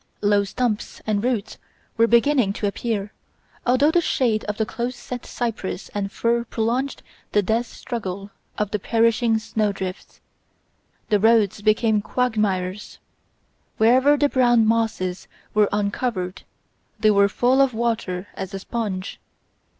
Low stumps and roots were beginning to appear, although the shade of close set cypress and fir prolonged the death struggle of the perishing snowdrifts; the roads became quagmires; wherever the brown mosses were uncovered they were full of water as a sponge.